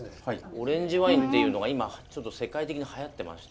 オレンジワインっていうのが今ちょっと世界的にはやってまして。